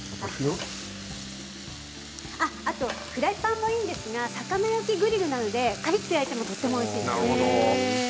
あとフライパンもいいんですが魚焼きグリルなどでカリっと焼いてもおいしいです。